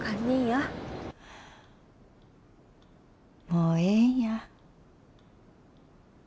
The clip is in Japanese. もうええんや。